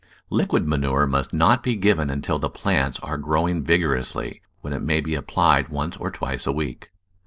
Liquid manure must not be given until the plants are grow ing vigorously, when it may be applied once or twice a week.